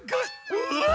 うわ！